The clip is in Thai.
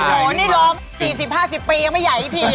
โหนี่ร้อง๔๐๕๐ปียังไม่ใหญ่อีกทีเลย